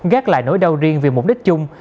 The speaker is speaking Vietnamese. gác lại nỗi đau riêng vì mục đích chung